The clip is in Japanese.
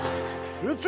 集中！